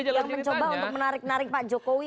yang mencoba untuk menarik narik pak jokowi